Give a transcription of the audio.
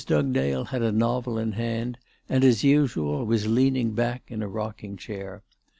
Dugdale had, a novel in hand, and, as usual, was leaning back in a rocking chair.